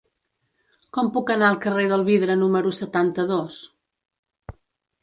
Com puc anar al carrer del Vidre número setanta-dos?